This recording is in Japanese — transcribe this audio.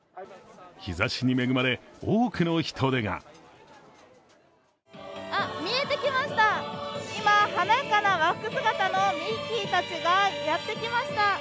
日ざしに恵まれ、多くの人出が見えてきました、